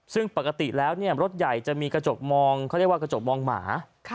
ซึ่งปกติแล้วรถใหญ่จะมีกระจกมองเขาเรียกว่ากระจกมองหมา